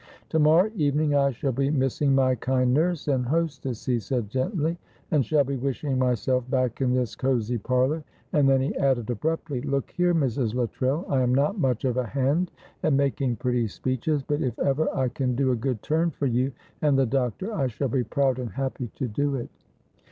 "To morrow evening I shall be missing my kind nurse and hostess," he said, gently, "and shall be wishing myself back in this cosy parlour," and then he added, abruptly, "Look here, Mrs. Luttrell, I am not much of a hand at making pretty speeches, but if ever I can do a good turn for you and the doctor I shall be proud and happy to do it."